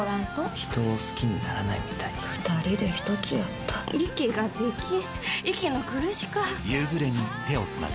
人を好きにならないみたい２人で一つやった息ができん息の苦しか「夕暮れに、手をつなぐ」